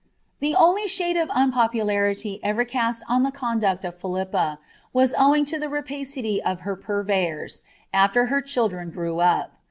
The only shade of unpopularity ever cast on the conduct of Philippa was owing to the rapacity of her purveyors, aAer her children grew up.